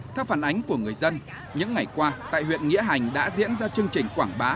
theo phản ánh của người dân những ngày qua tại huyện nghĩa hành đã diễn ra chương trình quảng bá